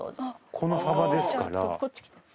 この幅ですから。